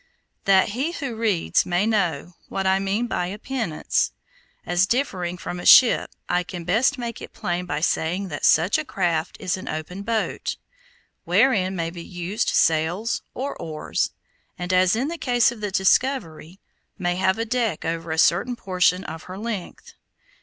That he who reads may know what I mean by a pinnace, as differing from a ship, I can best make it plain by saying that such a craft is an open boat, wherein may be used sails or oars, and, as in the case of the Discovery, may have a deck over a certain portion of her length.